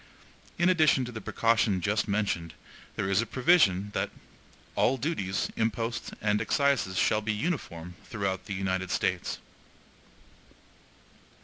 In addition to the precaution just mentioned, there is a provision that "all duties, imposts, and excises shall be UNIFORM throughout the United States."